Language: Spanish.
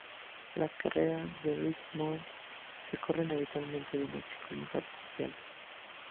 Las carreras en Richmond se corren habitualmente de noche con luz artificial.